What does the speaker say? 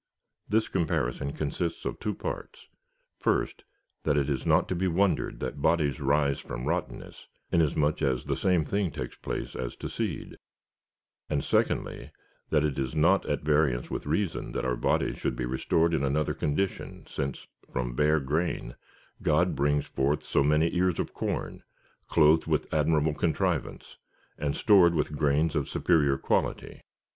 This comparison consists of two parts — first, that it is not to be wondered that bodies rise from rottenness, inasmuch as the same thing takes place as to seed ; and secondly, that it is not at variance with reason, that our bodies should be restored in another condition, since, from bare grain, God brings forth so many ears of corn, clothed with admirable contrivance, and stored with grains of superior quality.